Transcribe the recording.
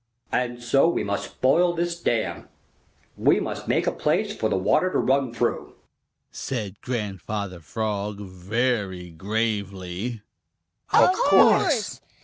"And so we must spoil this dam. We must make a place for the water to run through," said Grandfather Frog very gravely. "Of course!